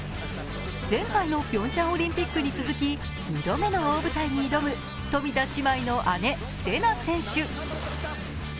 前回のピョンチャンオリンピックに続き、２度目の大舞台に挑む冨田姉妹の姉・せな選手。